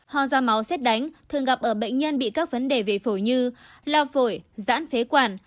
ho ra máu xét đánh thường gặp ở bệnh nhân bị các vấn đề về phổi như lao phổi giãn phế quản